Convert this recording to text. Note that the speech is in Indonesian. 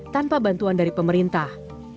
tanpa bantuan dari pemerintah